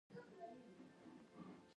ځاځي اریوب ځنګلونه لري؟